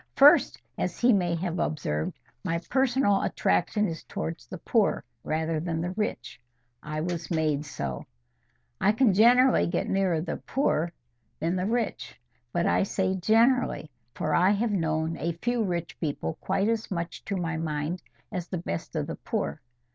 First, as he may have observed, my personal attraction is towards the poor rather than the rich. I was made so. I can generally get nearer the poor than the rich. But I say GENERALLY, for I have known a few rich people quite as much to my mind as the best of the poor.